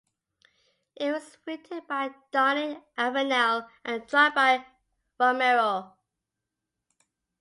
It was written by Donne Avenell and drawn by Romero.